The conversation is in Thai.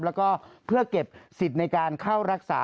แล้วก็เพื่อเก็บสิทธิ์ในการเข้ารักษา